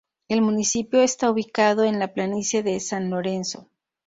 El municipio está ubicado en la planicie del San Lorenzo.